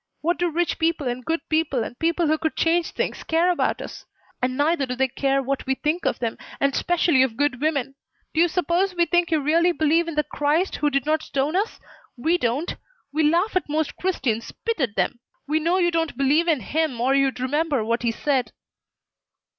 What do rich people and good people and people who could change things care about us? And neither do they care what we think of them, and specially of good women. Do you suppose we think you really believe in the Christ who did not stone us? We don't. We laugh at most Christians, spit at them. We know you don't believe in Him or you'd remember what He said."